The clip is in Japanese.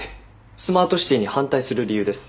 スマートシティに反対する理由です。